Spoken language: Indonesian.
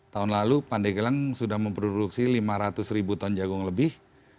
tahun lalu pande gelang sudah memproduksi lima ratus ton jagung lebih